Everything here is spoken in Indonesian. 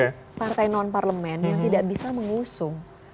ada partai non parlemen yang tidak bisa mengusung